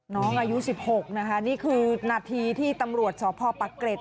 น้องอายุ๑๖นะคะนี่คือนาทีที่ตำรวจสพปักเกร็ด